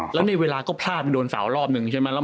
แล้วในเวลาก็พลาดไปโดนเสารอบหนึ่งใช่ไหม